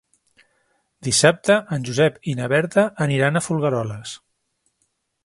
Dissabte en Josep i na Berta aniran a Folgueroles.